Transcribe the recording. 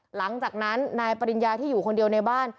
หลังจากนั้นนายปริญญาที่อยู่คนเดียวในบ้าน